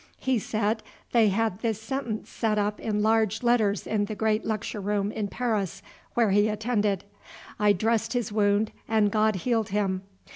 He said they had this sentence set up in large letters in the great lecture room in Paris where he attended: I dressed his wound and God healed him.